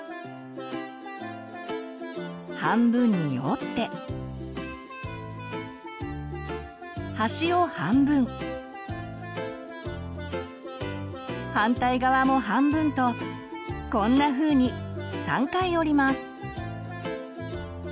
半分に折って端を半分反対側も半分とこんなふうに３回折ります。